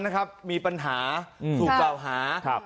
นั้นนะครับมีปัญหาถูกกล่าวหาครับ